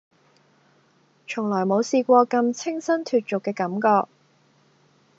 從來冇試過咁清新脫俗嘅感覺